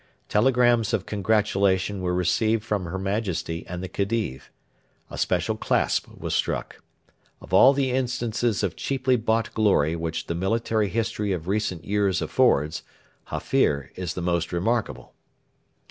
Telegrams of congratulation were received from her Majesty and the Khedive. A special clasp was struck. Of all the instances of cheaply bought glory which the military history of recent years affords, Hafir is the most remarkable.